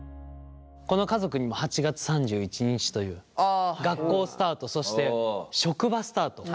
この家族にも８月３１日という学校スタートそして職場スタートが訪れる。